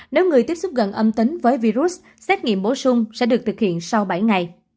nếu người tiếp xúc gần âm tính với virus xét nghiệm bổ sung sẽ được thực hiện sau bảy ngày